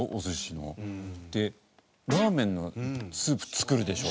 でラーメンのスープ作るでしょ。